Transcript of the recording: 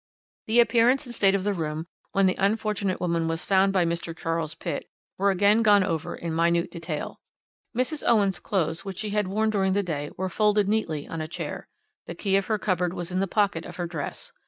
"The appearance and state of the room, when the unfortunate woman was found by Mr. Charles Pitt, were again gone over in minute detail. Mrs. Owen's clothes, which she had worn during the day, were folded neatly on a chair. The key of her cupboard was in the pocket of her dress.